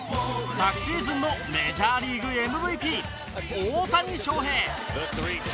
昨シーズンのメジャーリーグＭＶＰ大谷翔平。